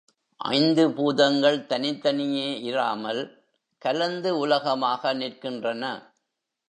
ஐந்து பூதங்கள் தனித்தனியே இராமல், கலந்து உலகமாக நிற்கின்றன.